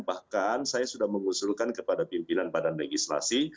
bahkan saya sudah mengusulkan kepada pimpinan badan legislasi